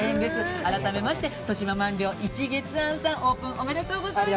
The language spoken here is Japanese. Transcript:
改めまして、豊島鰻寮一月庵さん、オープンおめでとうございます。